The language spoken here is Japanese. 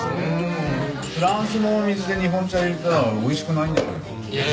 フランスの水で日本茶入れたらおいしくないんじゃないの？